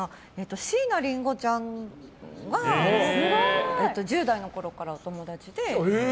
椎名林檎ちゃんが１０代のころからお友達で。